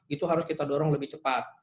itu harus kita dorong lebih cepat